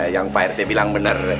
yang pak rt bilang benar